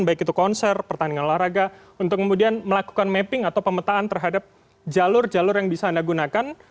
baik itu konser pertandingan olahraga untuk kemudian melakukan mapping atau pemetaan terhadap jalur jalur yang bisa anda gunakan